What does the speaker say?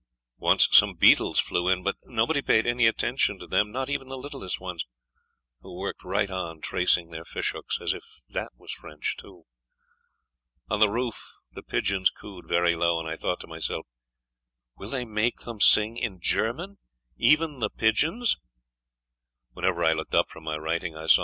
Once some beetles flew in; but nobody paid any attention to them, not even the littlest ones, who worked right on tracing their fishhooks, as if that was French, too. On the roof the pigeons cooed very low, and I thought to myself: "Will they make them sing in German, even the pigeons?" Whenever I looked up from my writing I saw M.